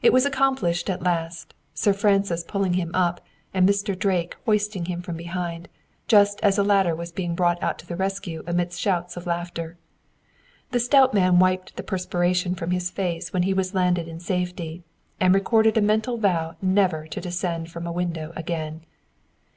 It was accomplished at last, Sir Francis pulling him up, and Mr. Drake hoisting him from behind, just as a ladder was being brought out to the rescue amidst shouts of laughter. The stout man wiped the perspiration from his face when he was landed in safety, and recorded a mental vow never to descend from a window again.